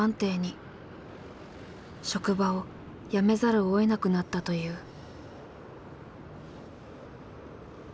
職場を辞めざるをえなくなったという。